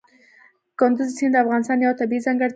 کندز سیند د افغانستان یوه طبیعي ځانګړتیا ده.